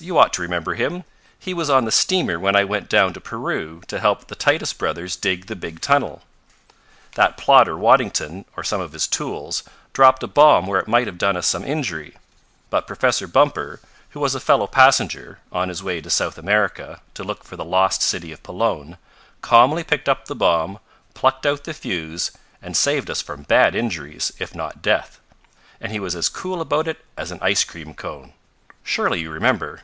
You ought to remember him. He was on the steamer when I went down to Peru to help the Titus Brothers dig the big tunnel. That plotter Waddington, or some of his tools, dropped a bomb where it might have done us some injury, but Professor Bumper, who was a fellow passenger, on his way to South America to look for the lost city of Pelone, calmly picked up the bomb, plucked out the fuse, and saved us from bad injuries, if not death. And he was as cool about it as an ice cream cone. Surely you remember!"